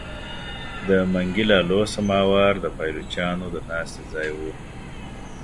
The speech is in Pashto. د منګي لالو سماوار د پایلوچانو د ناستې ځای وو.